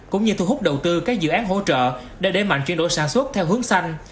cũng như thu hút đầu tư các dự án hỗ trợ để đẩy mạnh chuyển đổi sản xuất theo hướng xanh